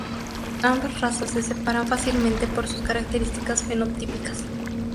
Ambas razas se separan fácilmente por sus características fenotípicas.